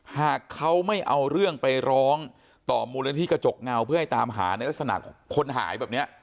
หากเขาไม่เอาเรื่องไปร้องต่อมูลนิธิกระจกเงาเพื่อให้ตามหาในลักษณะคนหายแบบนี้